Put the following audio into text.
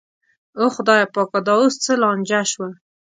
او خدایه پاکه دا اوس څه لانجه شوه.